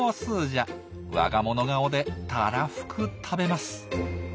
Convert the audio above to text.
我が物顔でたらふく食べます。